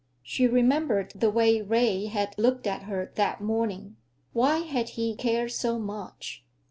She remembered the way Ray had looked at her that morning. Why had he cared so much?